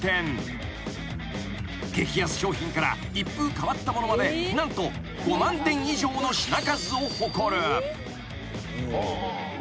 ［激安商品から一風変わったものまで何と５万点以上の品数を誇る］